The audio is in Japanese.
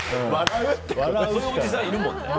そういうおじさんいるもんね。